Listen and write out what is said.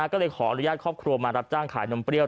ก็เลยขออนุญาตครอบครัวมารับจ้างขายนมเปรี้ย